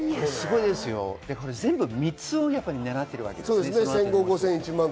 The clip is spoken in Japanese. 全部、３つをねらってるわけです。